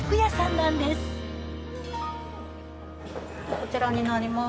こちらになります。